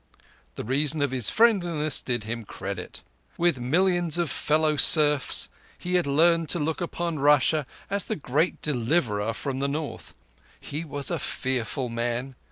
The reason of his friendliness did him credit. With millions of fellow serfs, he had learned to look upon Russia as the great deliverer from the North. He was a fearful man.